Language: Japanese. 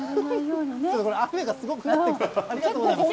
これ雨がすごくなってきて、ありがとうございます。